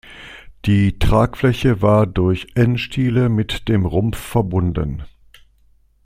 Die Tragfläche war durch N-Stiele mit dem Rumpf verbunden.